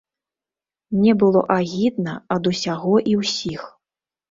Мне было агідна ад усяго і ўсіх.